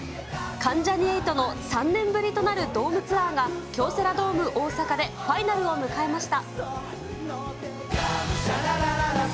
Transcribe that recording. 関ジャニ∞の３年ぶりとなるドームツアーが、京セラドーム大阪でファイナルを迎えました。